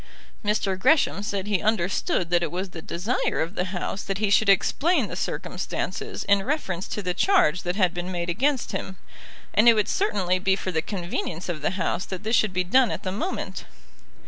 Mr. Gresham said he understood that it was the desire of the House that he should explain the circumstances in reference to the charge that had been made against him, and it would certainly be for the convenience of the House that this should be done at the moment.